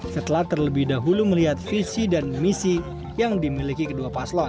setelah terlebih dahulu melihat visi dan misi yang dimiliki kedua paslon